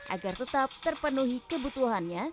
agar tetap terpenuhi kebutuhannya